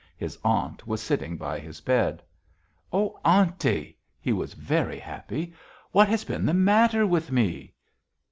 His aunt was sitting by his bed. "Oh, aunty!" He was very happy. "What has been the matter with me?"